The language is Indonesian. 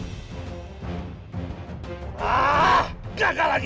gak ada lagi